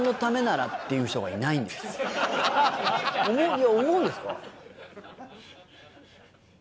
いや思うんですか？